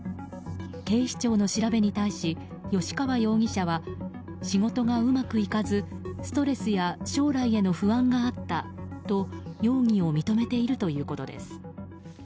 警視庁の調べに対し吉川容疑者は仕事がうまくいかずストレスや将来への不安があったと容疑を認めているということです。